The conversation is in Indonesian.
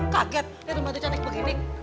kaget saya pembantu canik begini